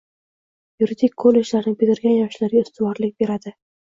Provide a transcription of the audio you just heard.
Yuridik kollejlarni bitirgan yoshlarga ustivorlik beradi!